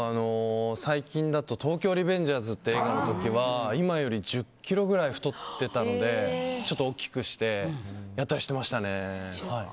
最近だと「東京リベンジャーズ」っていう映画の時は今より１０ｋｇぐらい太ってたので大きくしてやったりしてました。